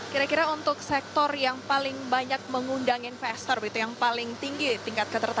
kira kira untuk sektor yang paling banyak mengundang investor begitu yang paling tinggi tingkat ketertain